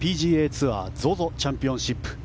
ツアーＺＯＺＯチャンピオンシップ。